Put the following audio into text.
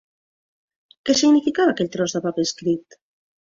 Què significava aquell tros de paper escrit?